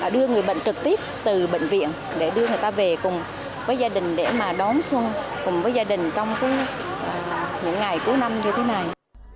đưa người bệnh trực tiếp từ bệnh viện để đưa người ta về cùng với gia đình để mà đón xuân cùng với gia đình trong những ngày cuối năm như thế này